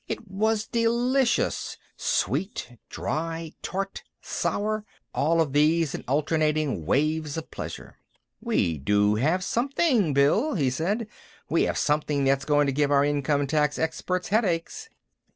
It was delicious sweet, dry, tart, sour, all of these in alternating waves of pleasure. "We do have something, Bill," he said. "We have something that's going to give our income tax experts headaches."